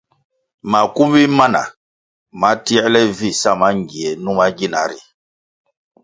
Makumbi mana mana ma tierle vi sa mangie numa gina ri.